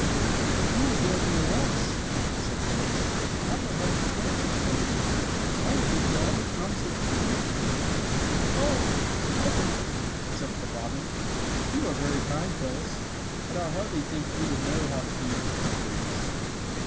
"If you will build near us," said Phyllis, "I will help you care for your little ones. I will give you all the crumbs that you can eat." "Oh! oh!" chirped the robin; "you are very kind, Phyllis, but I hardly think you would know how to feed bird babies.